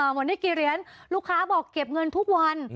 หมดได้กี่เหรียญลูกค้าบอกเก็บเงินทุกวัน